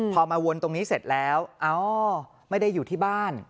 พอมาวนตรงนี้เสร็จแล้วอ๋อไม่ได้อยู่ที่บ้าน